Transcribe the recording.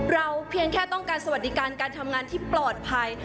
เพียงแค่ต้องการสวัสดิการการทำงานที่ปลอดภัย